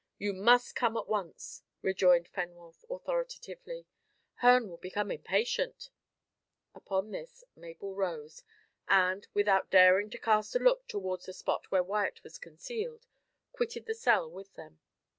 "You must come at once," rejoined Fenwolf authoritatively. "Herne will become impatient." Upon this Mabel rose, and, without daring to cast a look towards the spot where Wyat was concealed, quitted the cell with them.